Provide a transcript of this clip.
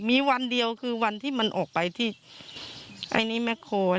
มีวันเดียวคือวันที่มันออกไปที่ไอ้นี่แม่คอย